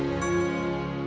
beritahu kan sekarang